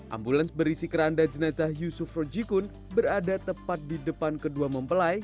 ambulans berisi keranda jenazah yusuf rojikun berada tepat di depan kedua mempelai